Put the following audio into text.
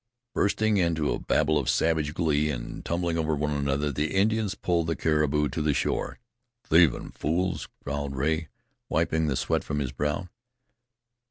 Bursting into a babel of savage glee and tumbling over one another, the Indians pulled the caribou to the shore. "Thievin' fools," growled Rea, wiping the sweat from his brow.